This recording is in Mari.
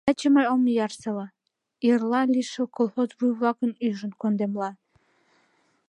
Таче мый ом ярсыла, ирла лишыл колхоз вуй-влакым ӱжын кондемла...